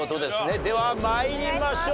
では参りましょう。